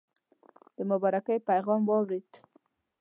د مبارکی پیغام واورېد.